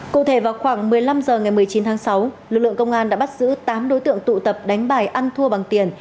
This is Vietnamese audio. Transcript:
cụ thể vào khoảng một mươi năm h ngày một mươi chín tháng sáu lực lượng công an đã bắt giữ tám đối tượng tụ tập đánh bài ăn thua bằng tiền